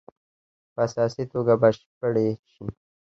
په اساسي توګه بشپړې شي.